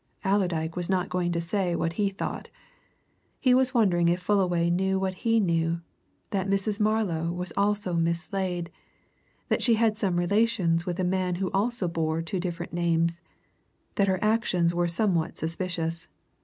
Allerdyke was not going to say what he thought. He was wondering if Fullaway knew what he knew that Mrs. Marlow was also Miss Slade, that she had some relations with a man who also bore two different names, that her actions were somewhat suspicious.